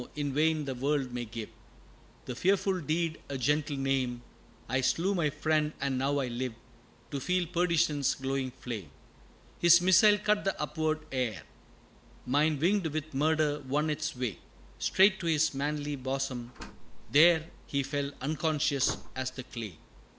in vain the world may give The fearful deed a gentle name I slew my friend, and now I live To feel perdition's glowing flame. His missile cut the upward air Mine, winged with murder won its way, Straight to his manly bosom, there He fell, unconscious as the clay!